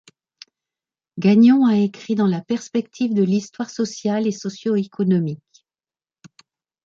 Gagnon a écrit dans la perspective de l'histoire sociale et socio-économique.